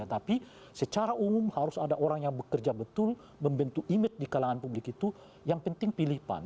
tapi secara umum harus ada orang yang bekerja betul membentuk image di kalangan publik itu yang penting pilih pan